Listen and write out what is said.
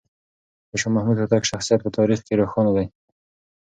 د شاه محمود هوتک شخصیت په تاریخ کې روښانه دی.